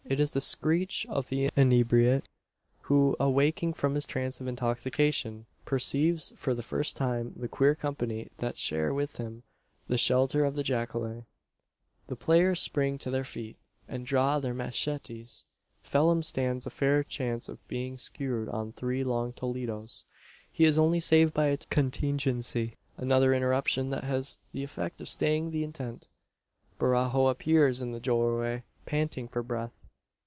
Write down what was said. It is the screech of the inebriate, who, awaking from his trance of intoxication, perceives for the first time the queer company that share with him the shelter of the jacale. The players spring to their feet, and draw their machetes. Phelim stands a fair chance of being skewered on three long Toledos. He is only saved by a contingency another interruption that has the effect of staying the intent. Barajo appears in the doorway panting for breath.